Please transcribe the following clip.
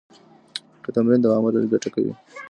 که تمرین دوام ولري، ګټه کوي.